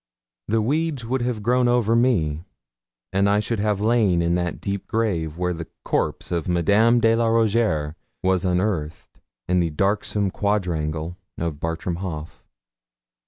The weeds would have grown over me, and I should have lain in that deep grave where the corpse of Madame de la Rougierre was unearthed in the darksome quadrangle of Bartram Haugh.